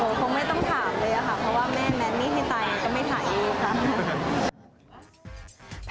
โหคงไม่ต้องถามเลยอะค่ะเพราะว่าแม่แม่นี่ให้ตายก็ไม่ถ่ายดีค่ะ